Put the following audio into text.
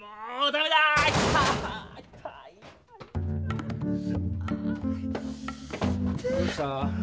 どうした？